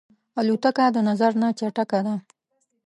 الوتکه د نظر نه چټکه ده.